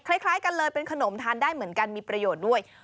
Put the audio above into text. คล้ายกันเลยเป็นขนมทานได้เหมือนกันมีประโยชน์ด้วย